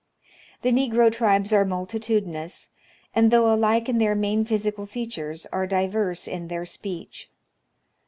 The negro tribes are multi tudinous, and, though alike in their main physical features, are diverse in their speech.